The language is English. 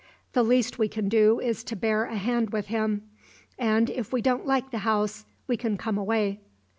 The least we can do is to bear a hand with him; and if we don't like the house we can come away."